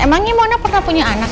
emangnya mona pernah punya anak